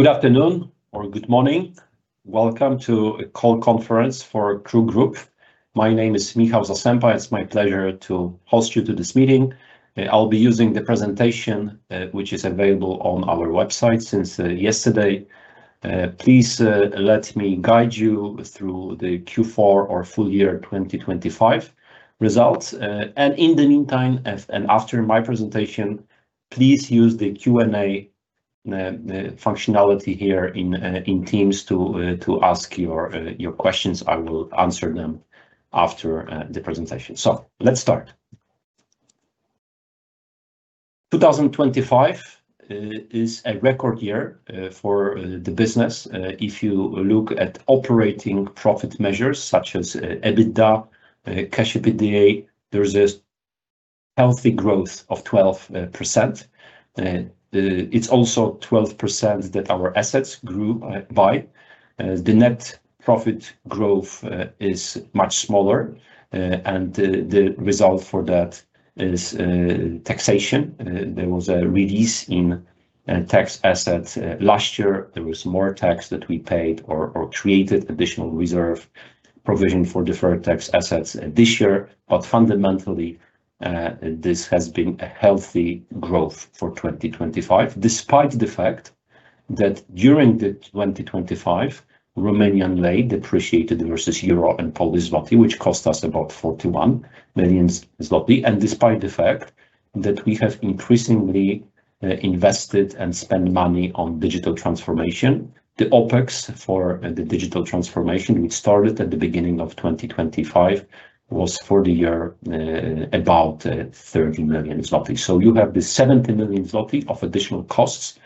Good afternoon or good morning. Welcome to a call conference for KRUK Group. My name is Michał Zasępa. It's my pleasure to host you to this meeting. I'll be using the presentation which is available on our website since yesterday. Please let me guide you through the Q4 or full year 2025 results. In the meantime, and after my presentation, please use the Q&A the functionality here in Teams to ask your questions. I will answer them after the presentation. Let's start. 2025 is a record year for the business. If you look at operating profit measures, such as EBITDA, Cash EBITDA, there is a healthy growth of 12%. It's also 12% that our assets grew by. The net profit growth is much smaller, and the result for that is taxation. There was a release in tax assets. Last year, there was more tax that we paid or created additional reserve provision for deferred tax assets this year. Fundamentally, this has been a healthy growth for 2025, despite the fact that during 2025, Romanian lei depreciated versus euro and Polish zloty, which cost us about 41 million zloty. Despite the fact that we have increasingly invested and spent money on digital transformation, the OpEx for the digital transformation, which started at the beginning of 2025, was for the year about 30 million zloty. You have this 70 million zloty of additional costs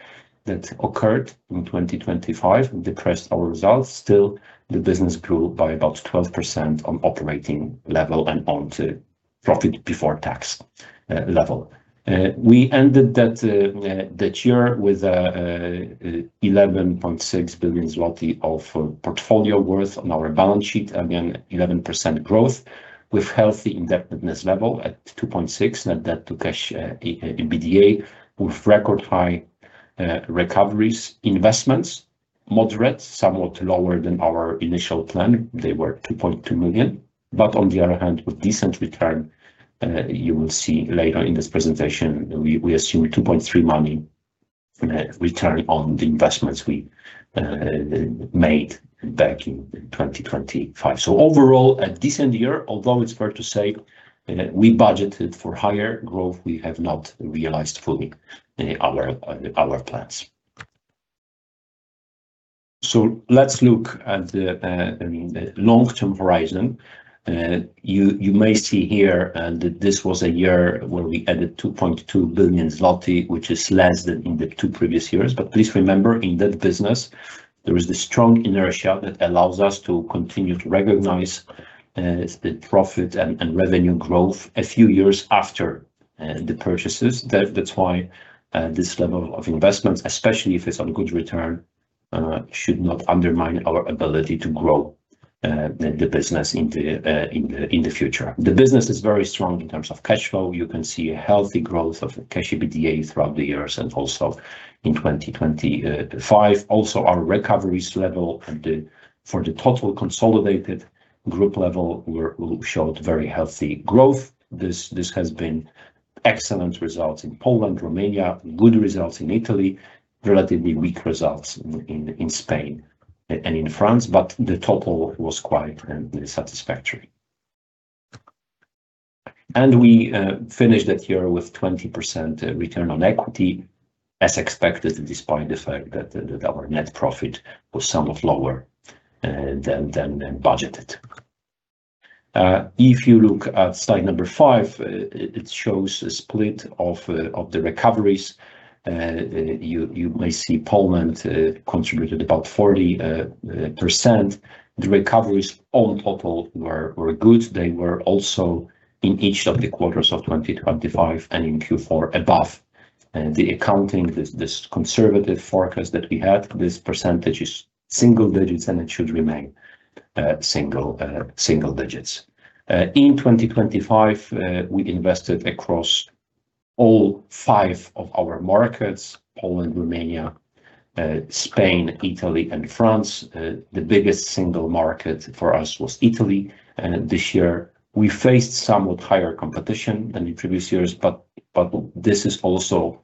that occurred in 2025 and depressed our results. Still, the business grew by about 12% on operating level and on to profit before tax level. We ended that the year with 11.6 billion zloty of portfolio worth on our balance sheet, again, 11% growth, with healthy indebtedness level at 2.6, net debt to cash EBITDA, with record high recoveries, investments, moderate, somewhat lower than our initial plan. They were 2.2 million, but on the other hand, with decent return, you will see later in this presentation, we assumed 2.3x money return on the investments we made back in 2025. Overall, a decent year, although it's fair to say, we budgeted for higher growth, we have not realized fully our plans. Let's look at the long-term horizon. You may see here that this was a year where we added 2.2 billion zloty, which is less than in the 2 previous years. Please remember, in that business, there is this strong inertia that allows us to continue to recognize the profit and revenue growth a few years after the purchases. That's why this level of investment, especially if it's on good return, should not undermine our ability to grow the business in the future. The business is very strong in terms of cash flow. You can see a healthy growth of Cash EBITDA throughout the years and also in 2025. Also, our recoveries level and the... for the total consolidated group level were showed very healthy growth. This has been excellent results in Poland, Romania, good results in Italy, relatively weak results in Spain and in France, but the total was quite satisfactory. We finished the year with 20% return on equity, as expected, despite the fact that our net profit was somewhat lower than budgeted. If you look at slide number 5, it shows a split of the recoveries. You may see Poland contributed about 40%. The recoveries on total were good. They were also in each of the quarters of 2025 and in Q4 above. The accounting, this conservative forecast that we had, this percentage is single digits, and it should remain single digits. In 2025, we invested across all 5 of our markets, Poland, Romania, Spain, Italy, and France. The biggest single market for us was Italy, and this year we faced somewhat higher competition than in previous years, but this is also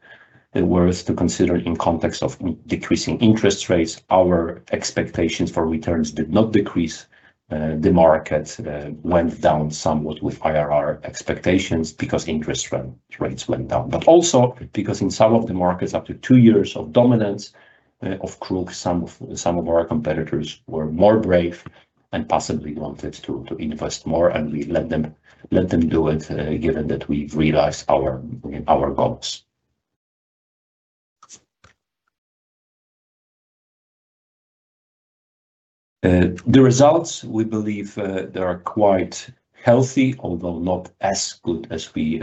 the worth to consider in context of decreasing interest rates. Our expectations for returns did not decrease. The market went down somewhat with IRR expectations because interest run-rates went down. Also because in some of the markets, after two years of dominance of KRUK, some of our competitors were more brave and possibly wanted to invest more. We let them do it given that we've realized our goals. The results, we believe, they are quite healthy, although not as good as we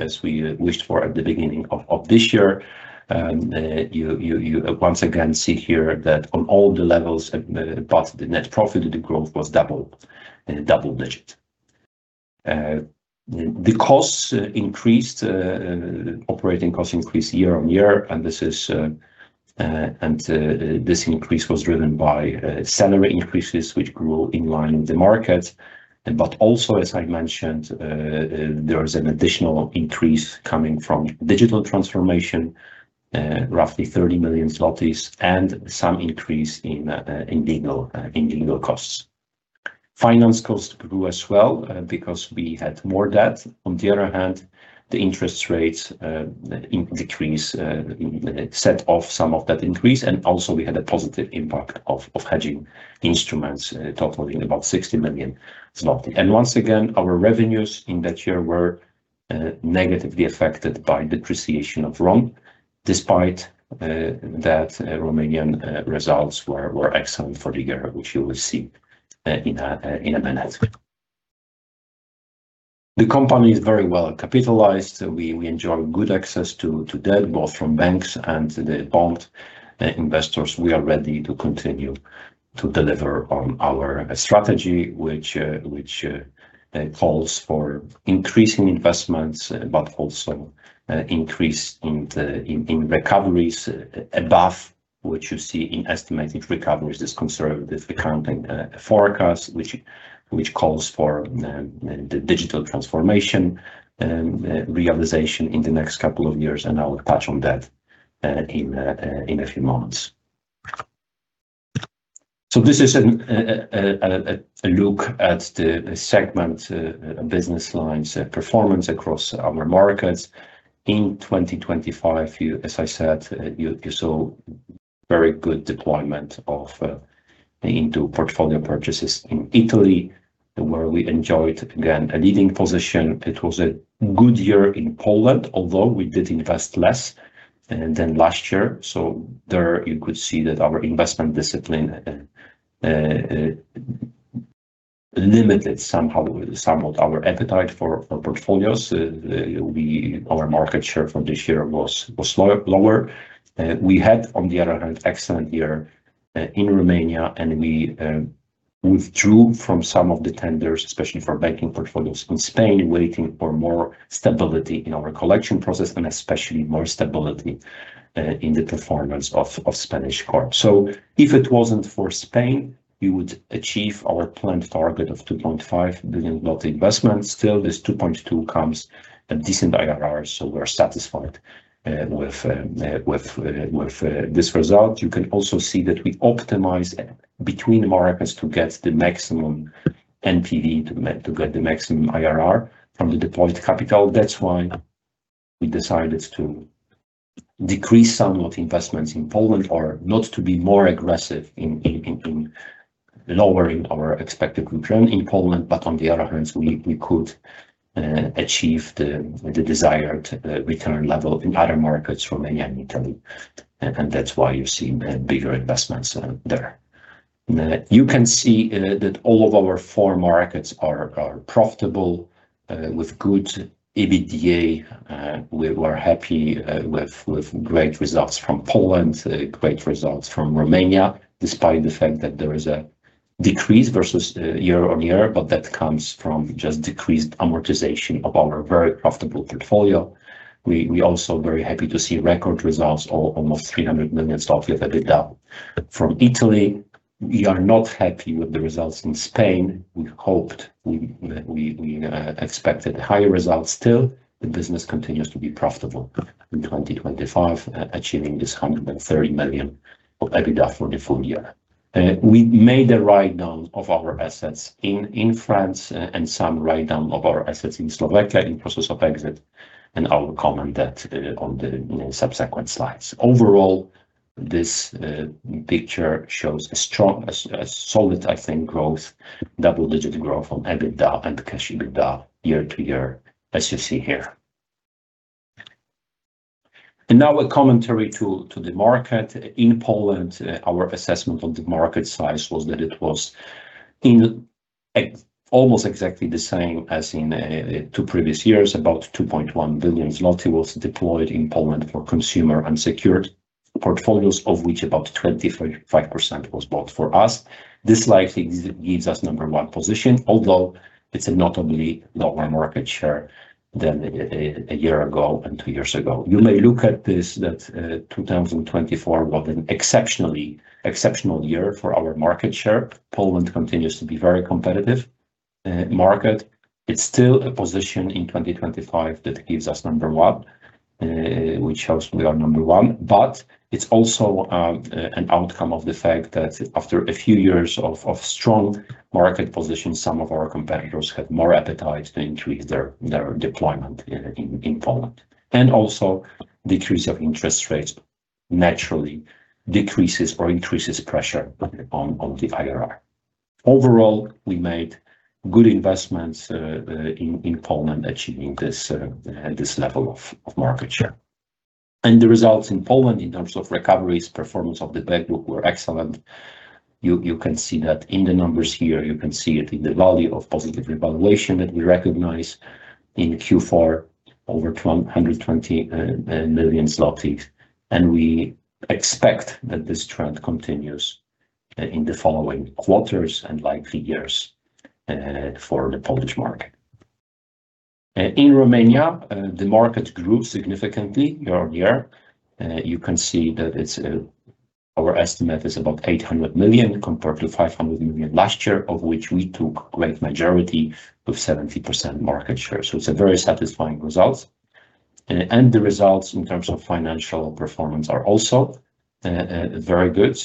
wished for at the beginning of this year. You once again see here that on all the levels, apart the net profit, the growth was double digit. The costs increased, operating costs increased year-over-year. This increase was driven by salary increases, which grew in line with the market. Also, as I mentioned, there is an additional increase coming from digital transformation, roughly 30 million zlotys, and some increase in legal costs. Finance costs grew as well because we had more debt. On the other hand, the interest rates in decrease set off some of that increase, and also we had a positive impact of hedging instruments, totaling about 60 million zloty. Once again, our revenues in that year were negatively affected by depreciation of RON. Despite that Romanian results were excellent for the year, which you will see in a minute. The company is very well capitalized. We enjoy good access to debt, both from banks and the bond investors. We are ready to continue to deliver on our strategy, which calls for increasing investments, but also increase in recoveries above what you see in estimated recoveries. This conservative accounting forecast, which calls for the digital transformation realization in the next couple of years, and I will touch on that in a few moments. This is a look at the segment business lines performance across our markets. In 2025, you, as I said, you saw very good deployment of into portfolio purchases in Italy, where we enjoyed, again, a leading position. It was a good year in Poland, although we did invest less than last year. There you could see that our investment discipline limited somehow, somewhat our appetite for portfolios. Our market share from this year was lower. We had, on the other hand, excellent year in Romania, and we withdrew from some of the tenders, especially for banking portfolios in Spain, waiting for more stability in our collection process, and especially more stability in the performance of Spanish court. If it wasn't for Spain, we would achieve our planned target of 2.5 billion investment. Still, this 2.2 billion comes a decent IRR, so we're satisfied with this result. You can also see that we optimize between markets to get the maximum NPV, to get the maximum IRR from the deployed capital. That's why we decided to decrease some of the investments in Poland, or not to be more aggressive in lowering our expected return in Poland. On the other hand, we could achieve the desired return level in other markets, Romania and Italy. That's why you're seeing bigger investments there. You can see that all of our four markets are profitable with good EBITDA. We were happy with great results from Poland, great results from Romania, despite the fact that there is a decrease versus year-on-year. That comes from just decreased amortization of our very profitable portfolio. We also very happy to see record results, almost 300 million of EBITDA. From Italy, we are not happy with the results in Spain. We hoped we expected higher results. Still, the business continues to be profitable in 2025, achieving this 130 million of EBITDA for the full year. We made a write-down of our assets in France, and some write-down of our assets in Slovakia, in process of exit, and I will comment that on the subsequent slides. Overall, this picture shows a strong, a solid, I think, growth, double-digit growth from EBITDA and Cash EBITDA, year-to-year, as you see here. Now a commentary to the market. In Poland, our assessment of the market size was that it was in almost exactly the same as in two previous years. About 2.1 billion zloty was deployed in Poland for consumer unsecured portfolios, of which about 25% was bought for us. This likely gives us number one position, although it's a notably lower market share than a year ago and two years ago. You may look at this, that 2024 was an exceptionally exceptional year for our market share. Poland continues to be very competitive market. It's still a position in 2025 that gives us number one, which shows we are number one, but it's also an outcome of the fact that after a few years of strong market position, some of our competitors had more appetite to increase their deployment in Poland. Also, decrease of interest rates naturally decreases or increases pressure on the IRR. Overall, we made good investments in Poland, achieving this level of market share. The results in Poland, in terms of recoveries, performance of the bank, were excellent. You can see that in the numbers here. You can see it in the value of positive revaluation that we recognize in Q4, over 120 million zloty, and we expect that this trend continues. in the following quarters and likely years, for the Polish market. In Romania, the market grew significantly year on year. You can see that it's our estimate is about 800 million, compared to 500 million last year, of which we took great majority of 70% market share. It's a very satisfying result. The results in terms of financial performance are also very good.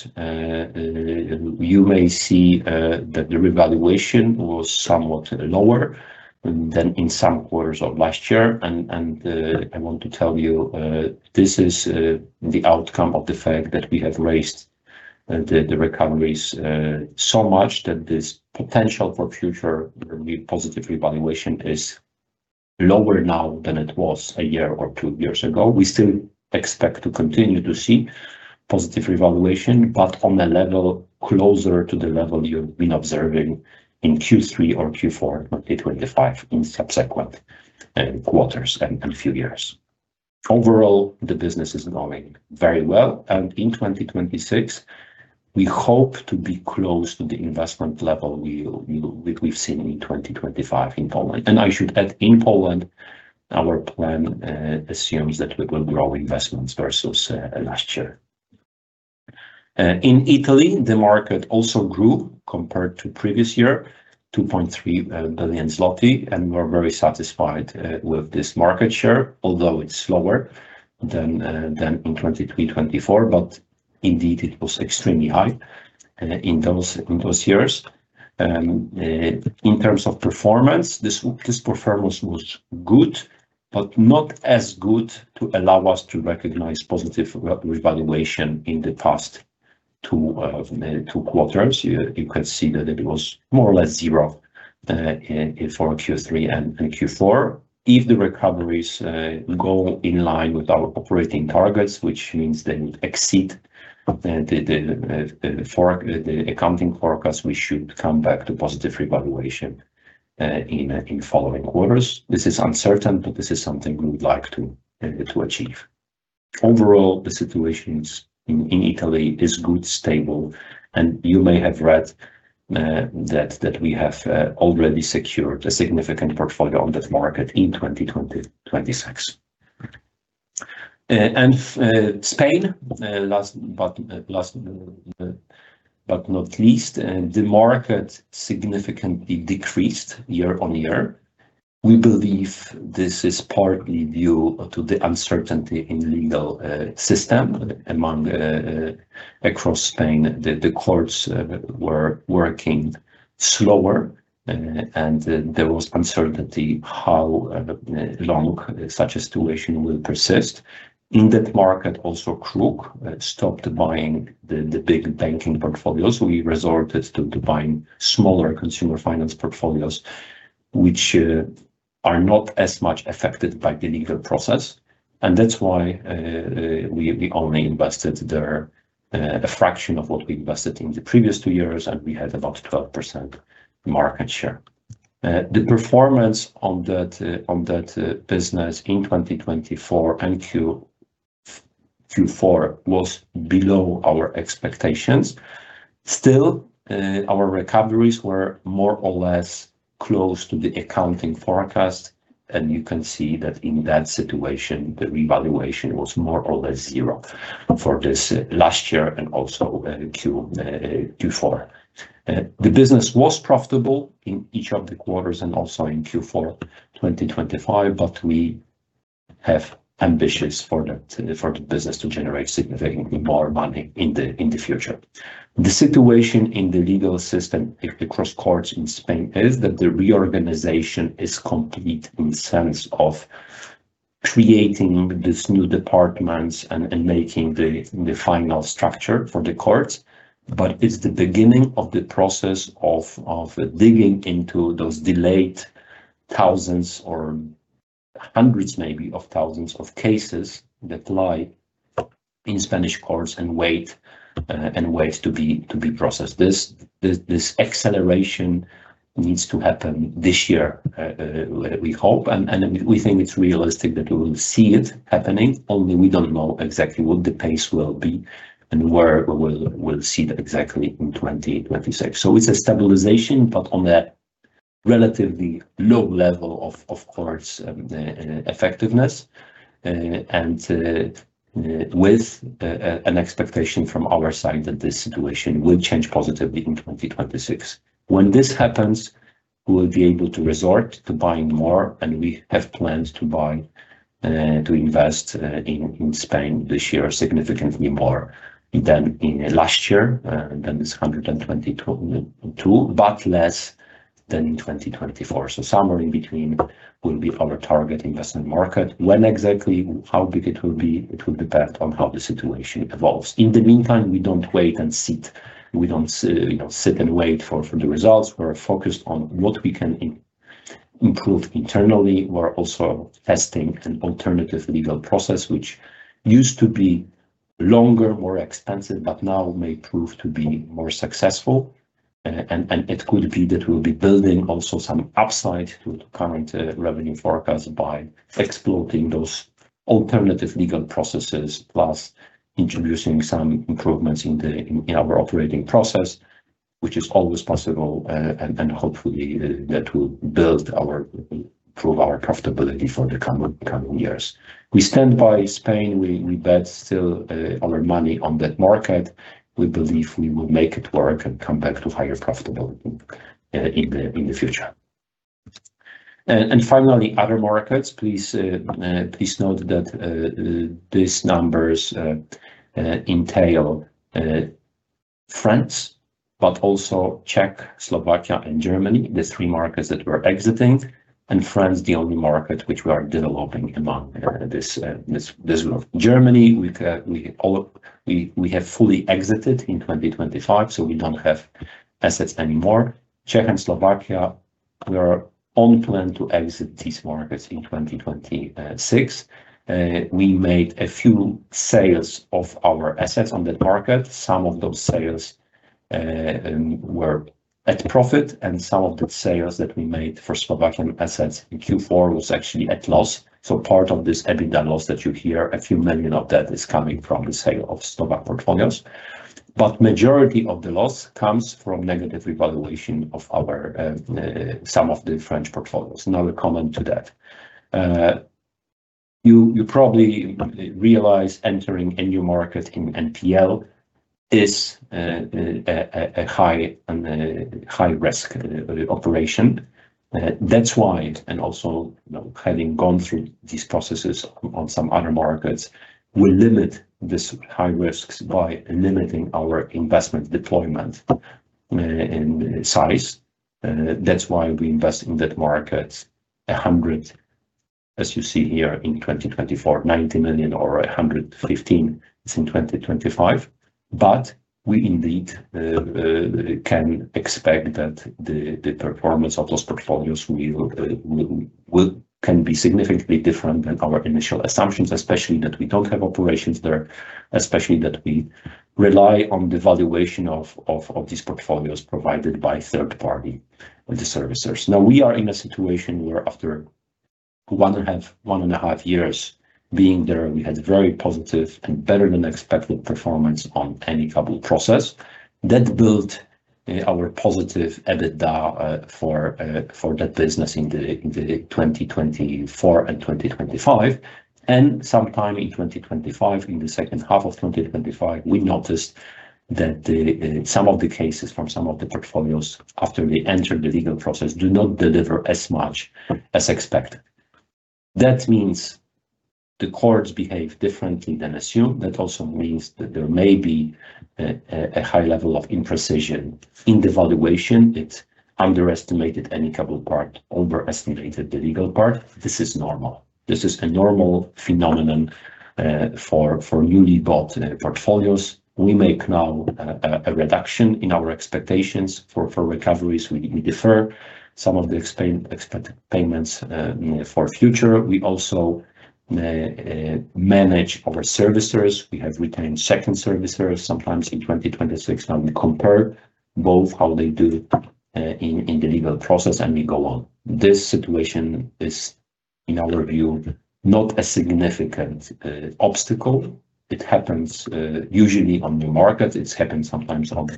You may see that the revaluation was somewhat lower than in some quarters of last year, I want to tell you, this is the outcome of the fact that we have raised the recoveries so much that this potential for future positive revaluation is lower now than it was a year or two years ago. We still expect to continue to see positive revaluation, but on a level closer to the level you've been observing in Q3 or Q4 2025, in subsequent quarters and few years. Overall, the business is going very well, and in 2026, we hope to be close to the investment level we've seen in 2025 in Poland. I should add, in Poland, our plan assumes that we will grow investments versus last year. In Italy, the market also grew compared to previous year, 2.3 billion zloty, and we're very satisfied with this market share, although it's lower than in 2023, 2024, but indeed, it was extremely high in those years. In terms of performance, this performance was good, not as good to allow us to recognize positive revaluation in the past two quarters. You can see that it was more or less zero for Q3 and Q4. If the recoveries go in line with our operating targets, which means they need to exceed the forecast, the accounting forecast, we should come back to positive revaluation in following quarters. This is uncertain, but this is something we would like to achieve. Overall, the situations in Italy is good, stable, you may have read that we have already secured a significant portfolio on that market in 2020, 2026. Spain, last, but last, but not least, the market significantly decreased year-on-year. We believe this is partly due to the uncertainty in legal system among across Spain. The courts were working slower, and there was uncertainty how long such a situation will persist. In that market, also, KRUK stopped buying the big banking portfolios, so we resorted to buying smaller consumer finance portfolios, which are not as much affected by the legal process. That's why we only invested there a fraction of what we invested in the previous two years, and we had about 12% market share. The performance on that, on that business in 2024 and Q through four was below our expectations. Still, our recoveries were more or less close to the accounting forecast, and you can see that in that situation, the revaluation was more or less zero for this last year and also, Q4. The business was profitable in each of the quarters and also in Q4 2025. We have ambitions for the, for the business to generate significantly more money in the, in the future. The situation in the legal system, across courts in Spain, is that the reorganization is complete in sense of creating these new departments and making the final structure for the courts. It's the beginning of the process of digging into those delayed thousands or hundreds, maybe, of thousands of cases that lie in Spanish courts and wait, and wait to be, to be processed. This acceleration needs to happen this year, we hope, and we think it's realistic that we will see it happening, only we don't know exactly what the pace will be and where we'll see that exactly in 2026. It's a stabilization, but on a relatively low level of course, effectiveness, and with an expectation from our side that this situation will change positively in 2026. When this happens, we will be able to resort to buying more, and we have plans to buy, to invest in Spain this year, significantly more than in last year than this 122, but less than in 2024. Somewhere in between will be our target investment market. When exactly, how big it will be, it will depend on how the situation evolves. In the meantime, we don't wait and sit. We don't, you know, sit and wait for the results. We're focused on what we can improve internally. We're also testing an alternative legal process, which used to be longer, more expensive, but now may prove to be more successful. It could be that we'll be building also some upside to current revenue forecast by exploiting those alternative legal processes, plus introducing some improvements in our operating process, which is always possible. Hopefully, that will build our, improve our profitability for the coming years. We stand by Spain. We bet still our money on that market. We believe we will make it work and come back to higher profitability in the future. Finally, other markets, please note that these numbers entail France, but also Czech, Slovakia, and Germany, the three markets that we're exiting, and France, the only market which we are developing among this group. Germany, we have fully exited in 2025, so we don't have assets anymore. Czech and Slovakia, we are on plan to exit these markets in 2026. We made a few sales of our assets on that market. Some of those sales were at profit, and some of the sales that we made for Slovakian assets in Q4 was actually at loss. Part of this EBITDA loss that you hear, a few million of that is coming from the sale of Slovak portfolios. Majority of the loss comes from negative revaluation of our some of the French portfolios. Another comment to that. You probably realize entering a new market in NPL is a high-risk operation. That's why, and also, you know, having gone through these processes on some other markets, we limit this high risks by limiting our investment deployment in size. That's why we invest in that market 100, as you see here, in 2024, 90 million or 115 is in 2025. We indeed can expect that the performance of those portfolios will... can be significantly different than our initial assumptions, especially that we don't have operations there, especially that we rely on the valuation of these portfolios provided by third party with the servicers. We are in a situation where after one and a half years being there, we had very positive and better-than-expected performance on amicable process. That built our positive EBITDA for that business in the 2024 and 2025. Sometime in 2025, in the H2 of 2025, we noticed that some of the cases from some of the portfolios, after they enter the legal process, do not deliver as much as expected. That means the courts behave differently than assumed. That also means that there may be a high level of imprecision in the valuation. It underestimated amicable part, overestimated the legal part. This is normal. This is a normal phenomenon for newly bought portfolios. We make now a reduction in our expectations for recoveries. We defer some of the expected payments for future. We also manage our servicers. We have retained second servicers, sometimes in 2026, and we compare both how they do in the legal process, and we go on. This situation is, in our view, not a significant obstacle. It happens usually on new markets. It's happened sometimes on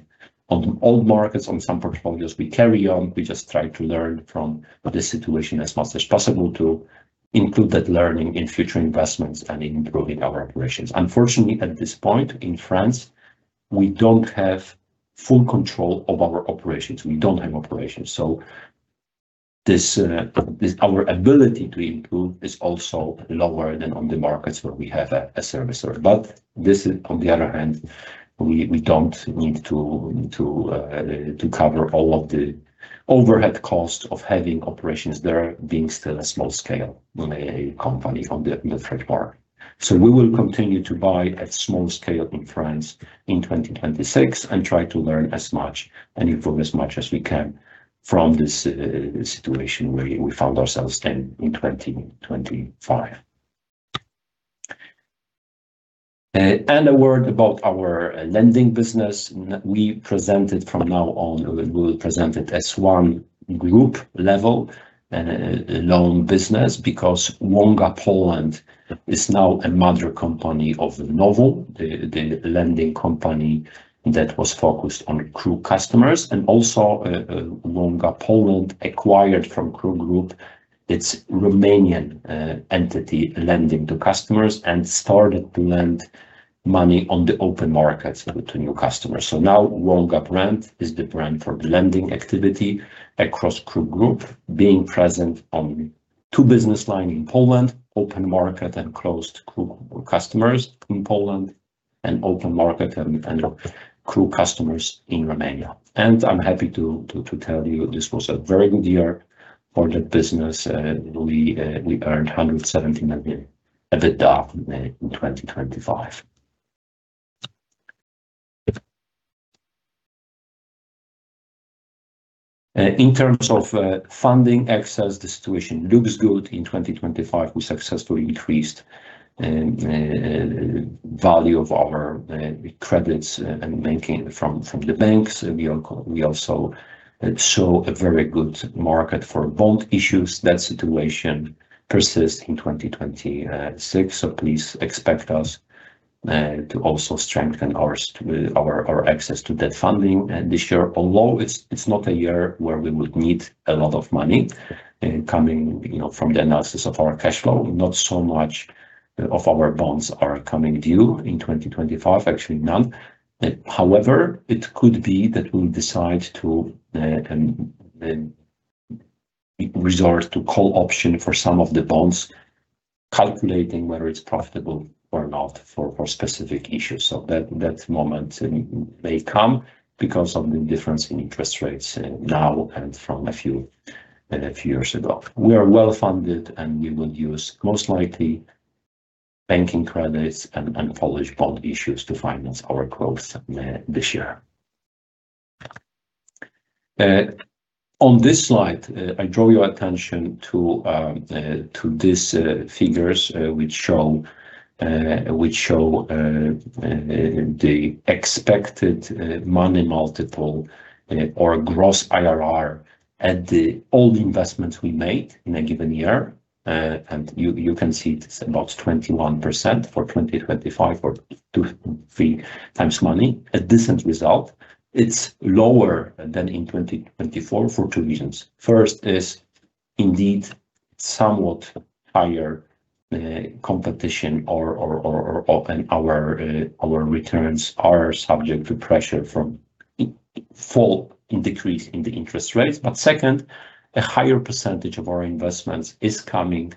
old markets, on some portfolios. We carry on. We just try to learn from the situation as much as possible to include that learning in future investments and in improving our operations. Unfortunately, at this point, in France, we don't have full control of our operations. We don't have operations, so this, our ability to improve is also lower than on the markets where we have a servicer. This, on the other hand, we don't need to cover all of the overhead cost of having operations there, being still a small scale company on the French market. We will continue to buy at small scale in France in 2026, and try to learn as much and improve as much as we can from this situation where we found ourselves then in 2025. A word about our lending business. We presented from now on, we will present it as one group level loan business, because Wonga Poland is now a mother company of Novum, the lending company that was focused on KRUK customers. Also, Wonga Poland acquired from KRUK Group, its Romanian entity lending to customers, and started to lend money on the open markets to new customers. Now, Wonga is the brand for the lending activity across KRUK Group, being present on two business lines in Poland, open market and closed KRUK customers in Poland, and open market and KRUK customers in Romania. I'm happy to tell you, this was a very good year for that business. We earned 117 million EBITDA in 2025. In terms of funding access, the situation looks good. In 2025, we successfully increased value of our credits and banking from the banks. We also saw a very good market for bond issues. That situation persists in 2026. Please expect us to also strengthen our access to that funding this year. Although it's not a year where we would need a lot of money, coming, you know, from the analysis of our cash flow, not so much of our bonds are coming due in 2025, actually none. However, it could be that we'll decide to resort to call option for some of the bonds, calculating whether it's profitable or not for specific issues. That moment may come because of the difference in interest rates, now and from a few years ago. We are well-funded, and we will use most likely banking credits and Polish bond issues to finance our growth this year. On this slide, I draw your attention to these, figures, which show, the expected, money multiple, or gross IRR at all the investments we made in a given year. You can see it's about 21% for 2025, or 2-3x money, a decent result. It's lower than in 2024 for two reasons. First is indeed somewhat higher competition, our returns are subject to pressure from fall in decrease in the interest rates. Second, a higher percentage of our investments is coming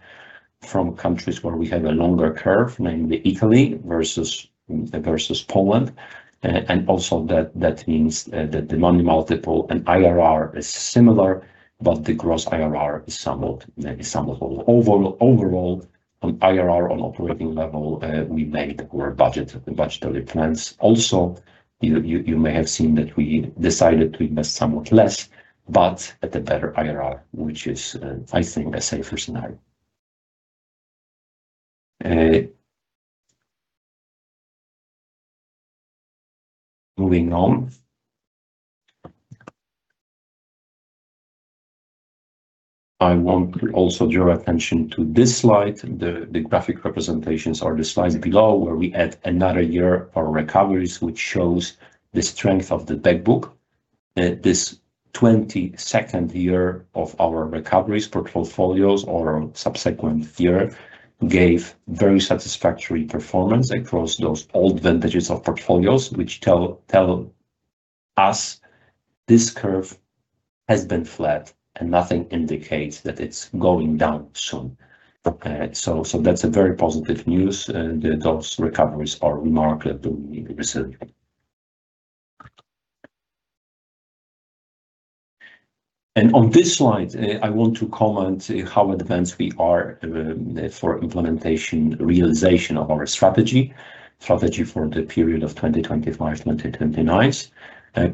from countries where we have a longer curve, namely Italy versus Poland. Also that means that the money multiple and IRR is similar, but the gross IRR is overall on IRR, on operating level, we made our budgetary plans. Also, you may have seen that we decided to invest somewhat less, but at a better IRR, which is I think a safer scenario. Moving on. I want to also draw your attention to this slide. The graphic representations or the slides below, where we add another year for recoveries, which shows the strength of the back book. This 22nd year of our recoveries portfolios or subsequent year, gave very satisfactory performance across those old vintages of portfolios, which tell us this curve has been flat and nothing indicates that it's going down soon. That's a very positive news that those recoveries are remarkably resilient. On this slide, I want to comment how advanced we are for implementation, realization of our strategy for the period of 2025, 2029.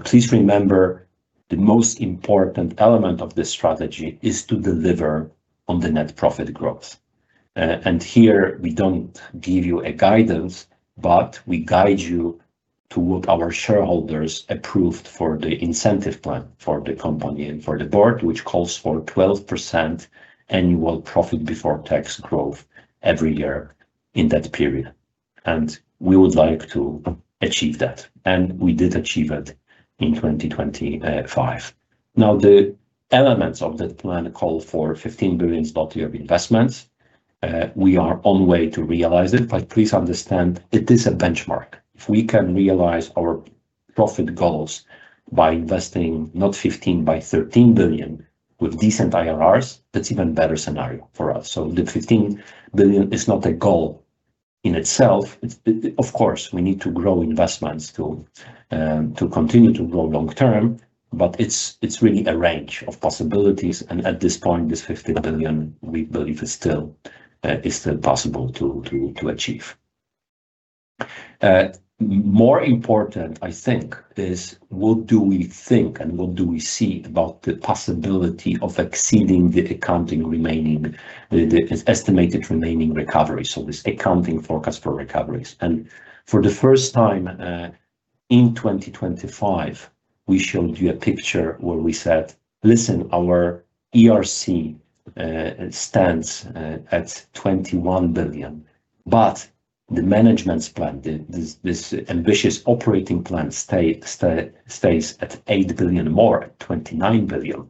Please remember, the most important element of this strategy is to deliver on the net profit growth. Here we don't give you a guidance, but we guide you to what our shareholders approved for the incentive plan for the company and for the board, which calls for 12% annual profit before tax growth every year in that period. We would like to achieve that, and we did achieve it in 2025. The elements of the plan call for 15 billion of investments. We are on way to realize it, please understand it is a benchmark. If we can realize our profit goals by investing not 15, by 13 billion with decent IRRs, that's even better scenario for us. The 15 billion is not a goal in itself. It's... Of course, we need to grow investments to continue to grow long term, but it's really a range of possibilities, and at this point, this 15 billion PLN, we believe, is still possible to achieve. More important, I think, is what do we think and what do we see about the possibility of exceeding the accounting remaining, the estimated remaining recovery, so this accounting forecast for recoveries. For the first time, in 2025, we showed you a picture where we said, "Listen, our ERC stands at 21 billion, but the management's plan, this ambitious operating plan, stays at 8 billion PLN more, at 29 billion."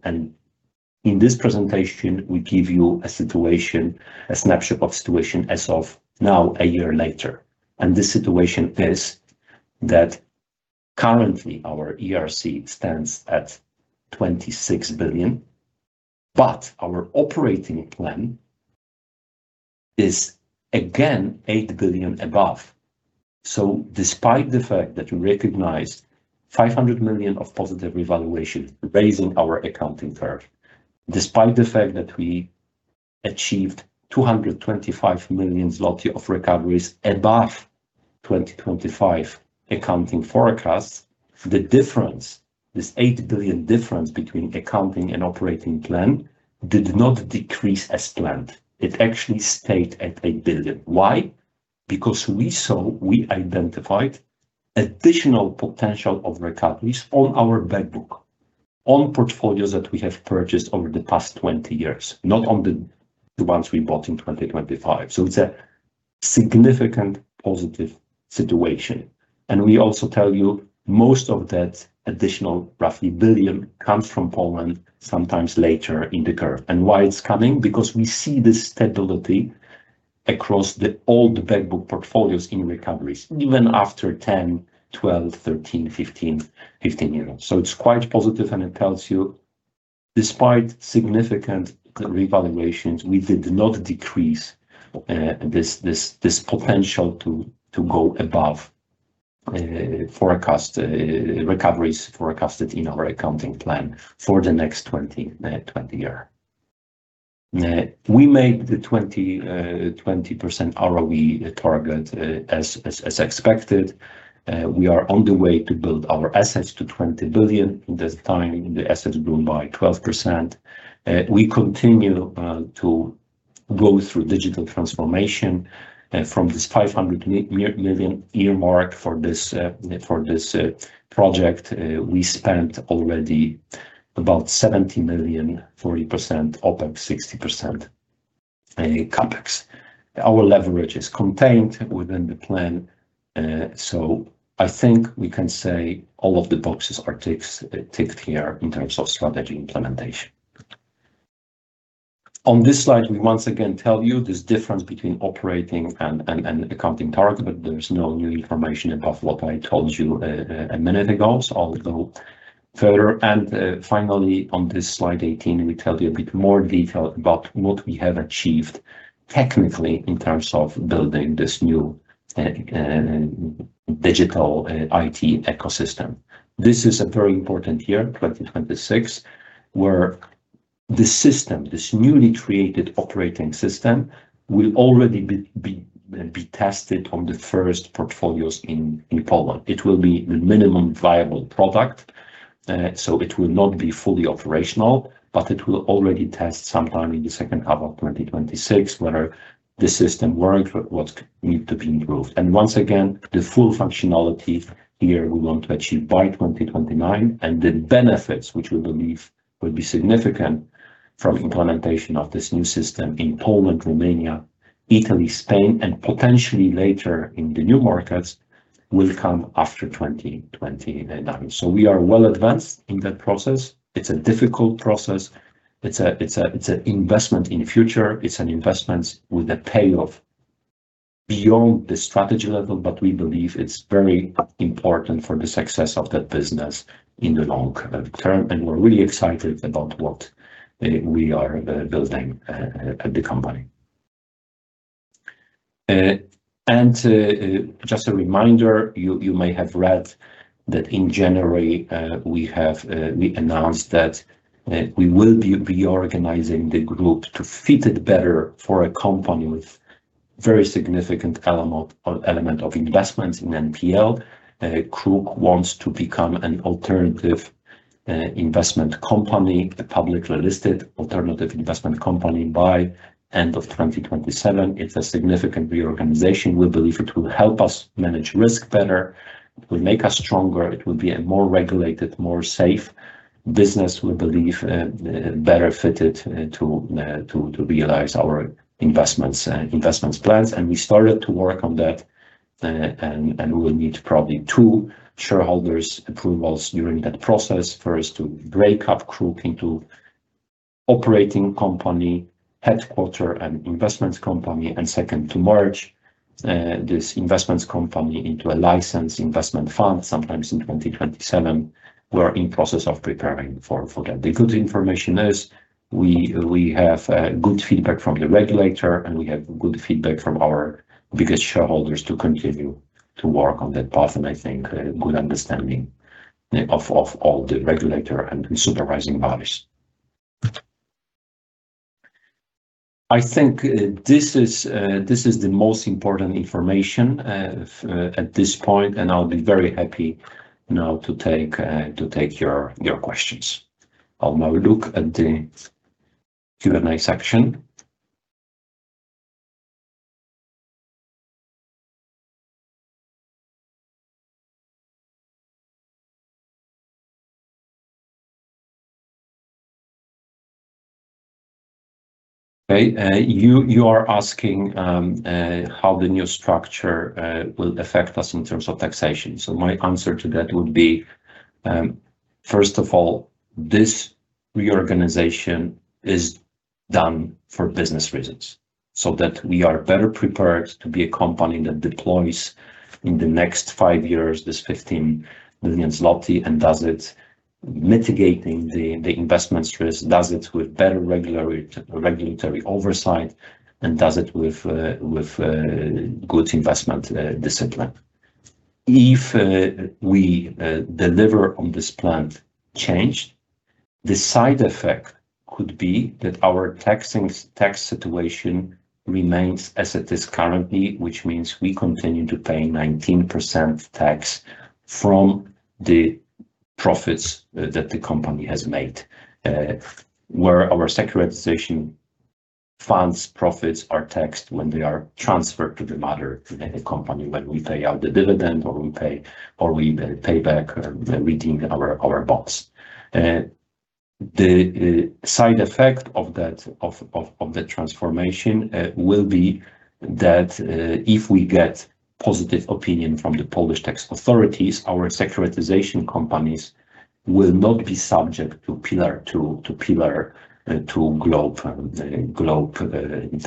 In this presentation, we give you a situation, a snapshot of situation as of now, a year later. The situation is that currently, our ERC stands at 26 billion PLN, our operating plan is again 8 billion above. Despite the fact that we recognized 500 million of positive revaluation, raising our accounting curve, despite the fact that we achieved 225 million zloty of recoveries above 2025 accounting forecasts. The difference, this 8 billion difference between accounting and operating plan, did not decrease as planned. It actually stayed at 8 billion PLN. Why? Because we saw, we identified additional potential of recoveries on our backbook, on portfolios that we have purchased over the past 20 years, not on the ones we bought in 2025. It's a significant positive situation, and we also tell you, most of that additional, roughly 1 billion PLN, comes from Poland, sometimes later in the curve. Why it's coming? We see this stability across the old backbook portfolios in recoveries, even after 10, 12, 13, 15 years. It's quite positive, and it tells you, despite significant revaluations, we did not decrease this potential to go above forecast recoveries forecasted in our accounting plan for the next 20 year. We made the 20% ROE target as expected. We are on the way to build our assets to 20 billion. In this time, the assets grew by 12%. We continue to go through digital transformation, from this 500 million earmark for this project. We spent already about 70 million, 40% OpEx, 60% CapEx. Our leverage is contained within the plan. I think we can say all of the boxes are ticked here in terms of strategy implementation. On this slide, we once again tell you this difference between operating and accounting target. There's no new information above what I told you a minute ago. I'll go further. Finally, on this slide 18, we tell you a bit more detail about what we have achieved technically in terms of building this new digital IT ecosystem. This is a very important year, 2026, where the system, this newly created operating system, will already be tested on the first portfolios in Poland. It will be the minimum viable product, so it will not be fully operational, but it will already test sometime in the H2 of 2026, whether the system works, what needs to be improved. Once again, the full functionality here, we want to achieve by 2029, and the benefits, which we believe will be significant, from implementation of this new system in Poland, Romania, Italy, Spain, and potentially later in the new markets, will come after 2029. We are well advanced in that process. It's a difficult process. It's an investment in future. It's an investment with a payoff beyond the strategy level, but we believe it's very important for the success of that business in the long term, and we're really excited about what we are building at the company. Uh, and, uh, just a reminder, you may have read that in January, uh, we have, uh, we announced that, uh, we will be reorganizing the group to fit it better for a company with very significant element, uh, element of investment in NPL. Uh, KRUK wants to become an alternative, uh, investment company, a publicly listed alternative investment company, by end of twenty twenty-seven. It's a significant reorganization. We believe it will help us manage risk better. It will make us stronger. It will be a more regulated, more safe business. We believe, uh, better fitted, uh, to, uh, to realize our investments and investments plans, and we started to work on that. Uh, and we'll need probably two shareholders' approvals during that process. First, to break up KRUK into operating company, headquarter and investments company, and second, to merge this investments company into a licensed investment fund, sometimes in 2027. We are in process of preparing for that. The good information is we have good feedback from the regulator, and we have good feedback from our biggest shareholders to continue to work on that path, and I think a good understanding of all the regulator and supervising bodies. I think this is the most important information at this point, and I'll be very happy now to take your questions. I'll now look at the Q&A section. Okay, you are asking how the new structure will affect us in terms of taxation. My answer to that would be, first of all, this reorganization is done for business reasons, so that we are better prepared to be a company that deploys in the next 5 years, this 15 million zloty, and does it mitigating the investment risk, does it with better regulatory oversight, and does it with good investment discipline. If we deliver on this planned change, the side effect could be that our taxing, tax situation remains as it is currently, which means we continue to pay 19% tax from the profits that the company has made. Where our securitization funds profits are taxed when they are transferred to the mother company, when we pay out the dividend, or we pay back, we redeem our bonds. The side effect of that, of the transformation, will be that if we get positive opinion from the Polish tax authorities, our securitization companies will not be subject to Pillar Two, to Pillar Two Global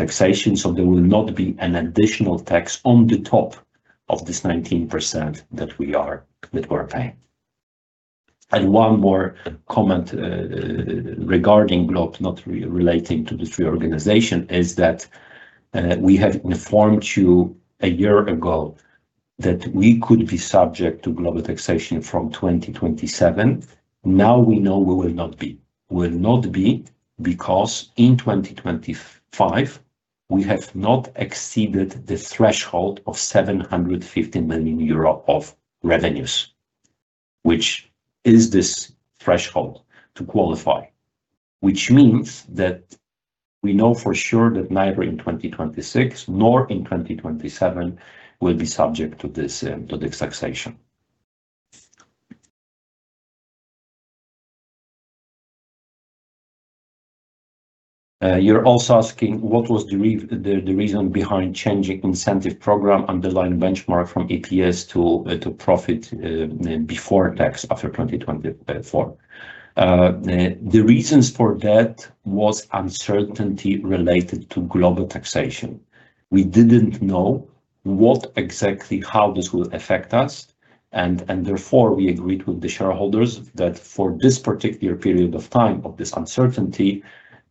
taxation. There will not be an additional tax on the top of this 19% that we're paying. One more comment regarding globe, not relating to the reorganization, is that we have informed you a year ago that we could be subject to global taxation from 2027. Now we know we will not be because in 2025, we have not exceeded the threshold of 750 million euro of revenues, which is this threshold to qualify. Which means that we know for sure that neither in 2026 nor in 2027, we'll be subject to this to the taxation. You're also asking: What was the reason behind changing incentive program underlying benchmark from EPS to profit before tax after 2024? The reasons for that was uncertainty related to global taxation. We didn't know what exactly, how this will affect us, and therefore, we agreed with the shareholders that for this particular period of time of this uncertainty,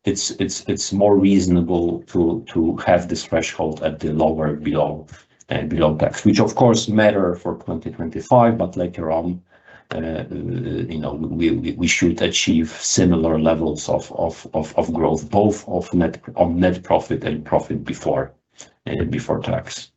it's more reasonable to have this threshold at the lower, below tax, which of course, matter for 2025, but later on, you know, we should achieve similar levels of growth, both on net profit and profit before tax.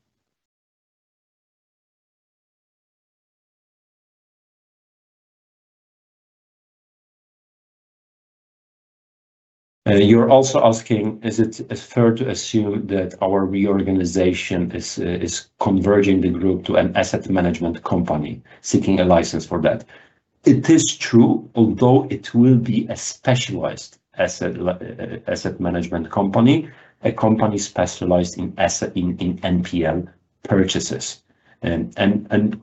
You're also asking: Is it fair to assume that our reorganization is converging the group to an asset management company, seeking a license for that? It is true, although it will be a specialized asset management company, a company specialized in asset, in NPL purchases. You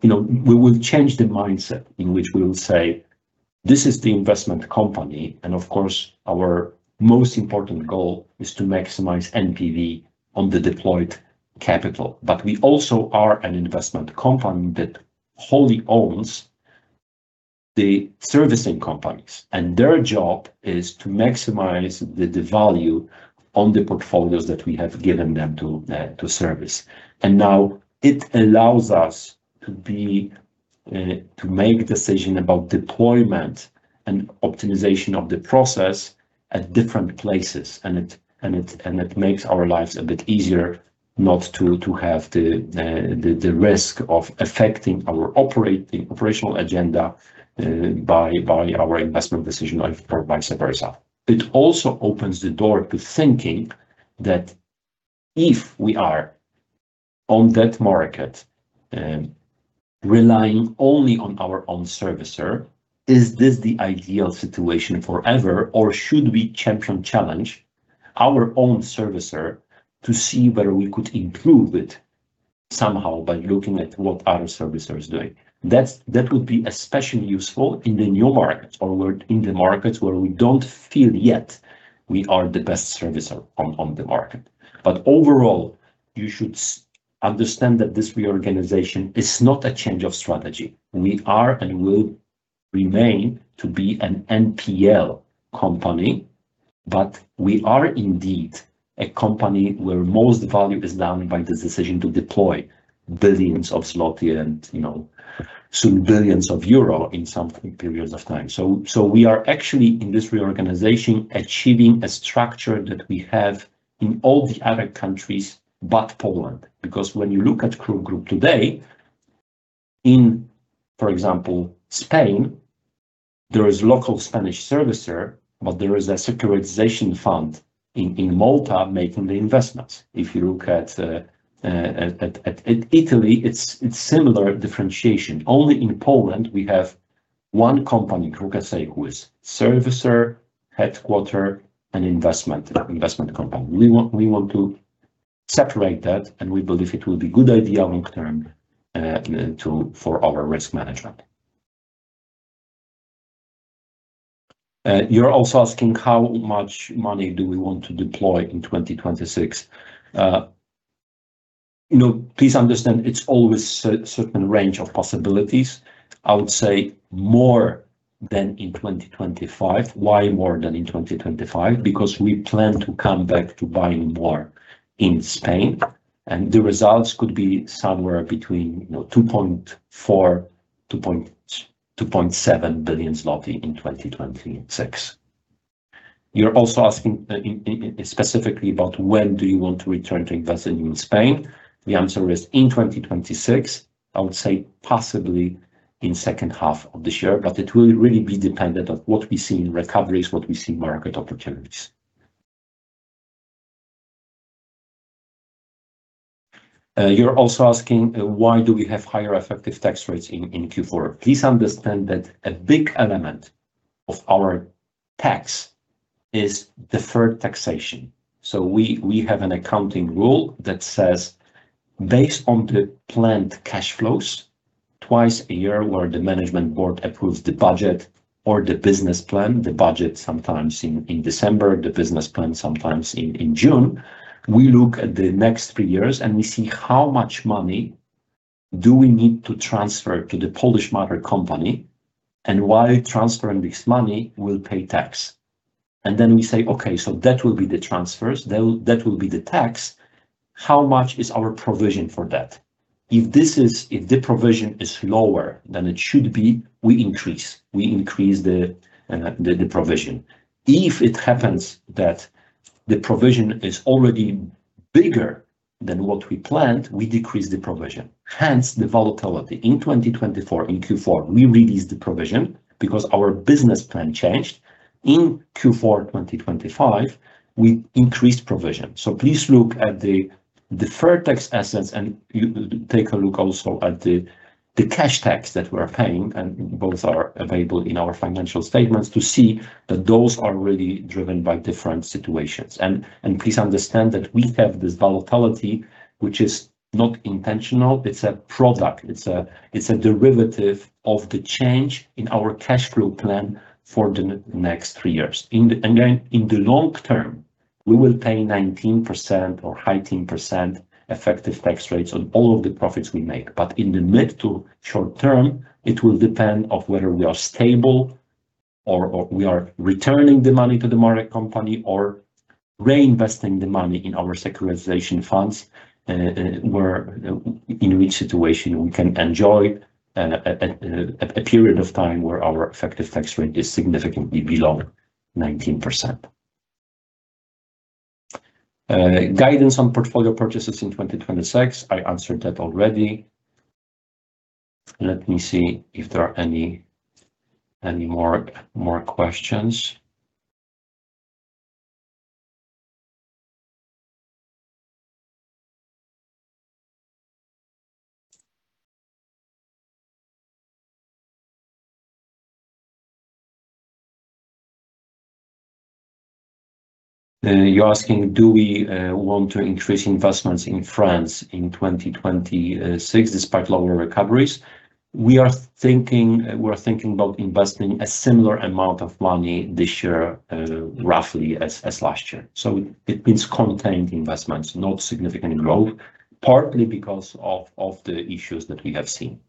know, we will change the mindset in which we will say, "This is the investment company, and of course, our most important goal is to maximize NPV on the deployed capital." We also are an investment company that wholly owns the servicing companies, and their job is to maximize the value on the portfolios that we have given them to service. Now, it allows us to be to make decision about deployment and optimization of the process at different places, and it makes our lives a bit easier not to have the risk of affecting our operating, operational agenda by our investment decision, or vice versa. It also opens the door to thinking that if we are on that market, relying only on our own servicer, is this the ideal situation forever, or should we champion challenge our own servicer to see whether we could improve it somehow by looking at what other servicers are doing? That would be especially useful in the new markets or where, in the markets where we don't feel yet we are the best servicer on the market. Overall, you should understand that this reorganization is not a change of strategy. We are and will remain to be an NPL company, but we are indeed a company where most value is done by this decision to deploy billions of PLN and, you know, soon billions of EUR in some periods of time. We are actually, in this reorganization, achieving a structure that we have in all the other countries but Poland, because when you look at KRUK Group today, in, for example, Spain, there is local Spanish servicer, but there is a securitization fund in Malta making the investments. If you look at Italy, it's similar differentiation. Only in Poland, we have one company, KRUK S.A., who is servicer, headquarter, and investment company. We want to separate that. We believe it will be good idea long term to for our risk management. You're also asking: How much money do we want to deploy in 2026? You know, please understand, it's always a certain range of possibilities. I would say more than in 2025. Why more than in 2025? Because we plan to come back to buying more in Spain, the results could be somewhere between, you know, 2.4 billion and 2.7 billion zloty in 2026. You're also asking specifically about when do you want to return to investing in Spain? The answer is in 2026, I would say possibly in H2 of this year, but it will really be dependent on what we see in recoveries, what we see in market opportunities. You're also asking, why do we have higher effective tax rates in Q4? Please understand that a big element of our tax is deferred taxation. We have an accounting rule that says, based on the planned cash flows, twice a year, where the management board approves the budget or the business plan, the budget, sometimes in December, the business plan, sometimes in June, we look at the next three years, and we see how much money do we need to transfer to the Polish mother company, and while transferring this money, we'll pay tax. Then we say, "Okay, so that will be the transfers, that will be the tax. How much is our provision for that?" If the provision is lower than it should be, we increase. We increase the provision. If it happens that the provision is already bigger than what we planned, we decrease the provision, hence the volatility. In 2024, in Q4, we released the provision because our business plan changed. In Q4 2025, we increased provision. Please look at the deferred tax assets, and you take a look also at the cash tax that we're paying, both are available in our financial statements, to see that those are really driven by different situations. Please understand that we have this volatility, which is not intentional. It's a product. It's a derivative of the change in our cash flow plan for the next 3 years. Again, in the long term, we will pay 19% or high teen % effective tax rates on all of the profits we make. In the mid to short term, it will depend on whether we are stable or we are returning the money to the mother company or reinvesting the money in our securitization funds, where, in which situation we can enjoy a period of time where our effective tax rate is significantly below 19%. Guidance on portfolio purchases in 2026, I answered that already. Let me see if there are any more questions. You're asking, do we want to increase investments in France in 2026, despite longer recoveries? We're thinking about investing a similar amount of money this year, roughly as last year. It means contained investments, not significant growth, partly because of the issues that we have seen.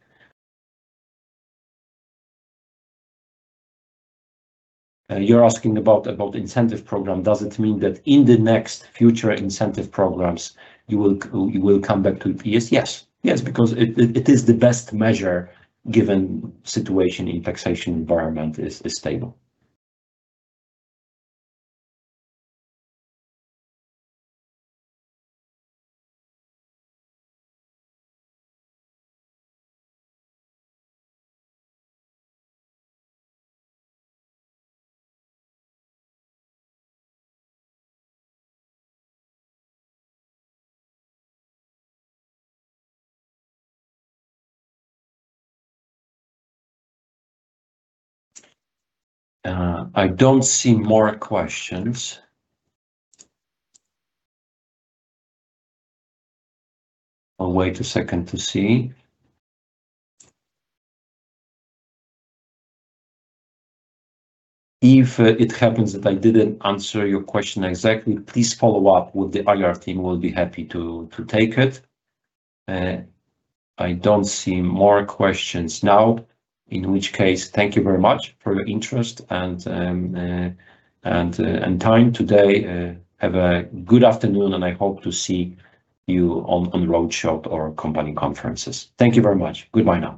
You're asking about incentive program, does it mean that in the next future incentive programs, you will come back to EPS? Yes. Yes, because it is the best measure given situation in taxation environment is stable. I don't see more questions. I'll wait a second to see if it happens that I didn't answer your question exactly, please follow up with the IR team. We'll be happy to take it. I don't see more questions now, in which case, thank you very much for your interest and time today. Have a good afternoon, and I hope to see you on roadshow or company conferences. Thank you very much. Goodbye now.